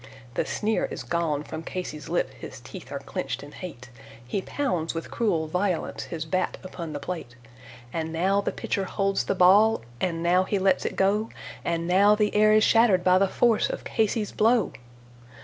The sneer is gone from Casey's lip, his teeth are clenched in hate, He pounds with cruel violence his bat upon the plate; And now the pitcher holds the ball, and now he lets it go, And now the air is shattered by the force of Casey's blow.